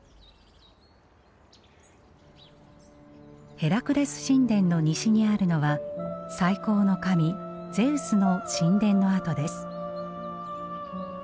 ヘラクレス神殿の西にあるのは最高の神ゼウスの神殿の跡です。